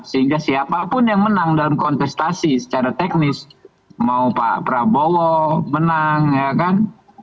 sehingga siapapun yang menang dalam kontestasi secara teknis mau pak prabowo menang ya kan